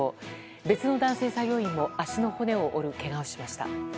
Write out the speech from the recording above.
別の男性作業員も足の骨を折るけがをしました。